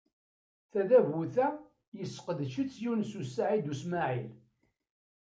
Tadabut-a yesseqdec-itt Yunes u Saɛid u Smaɛil.